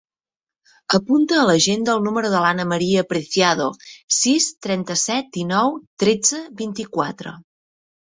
Apunta a l'agenda el número de l'Ana maria Preciado: sis, trenta-set, dinou, tretze, vint-i-quatre.